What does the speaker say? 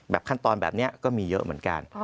ขั้นตอนแบบนี้ก็มีเยอะเหมือนกัน